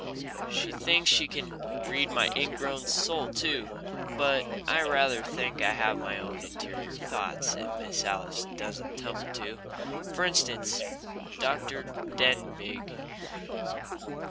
She thinks she can read my ingrown soul too but I rather think I have my own interior thoughts that Miss Alice doesn't tumble to. For instance, Dr. Denbigh.